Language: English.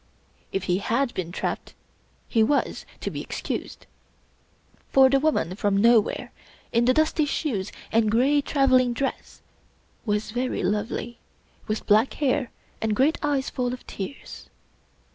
If he had been trapped, he was to be excused ; for the woman from nowhere, in the dusty shoes and gray traveling dress, was very lovely, with black hair and great eyes full of tears.